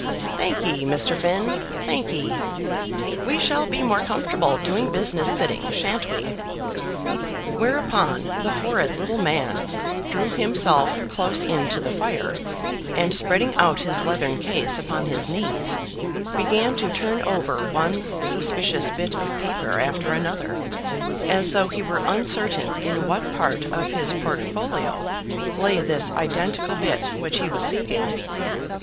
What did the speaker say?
"Thankye, Mr. Finn, thankye. We shall be more comfortable doing business sitting, shan't we?" Whereupon the horrid little man drew himself close in to the fire, and spreading out his leathern case upon his knees, began to turn over one suspicious bit of paper after another, as though he were uncertain in what part of his portfolio lay this identical bit which he was seeking.